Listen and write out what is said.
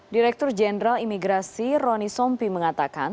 direktur jenderal imigrasi roni sompi mengatakan